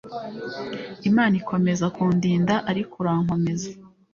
Imana ikomeza kundinda ariko urankomeza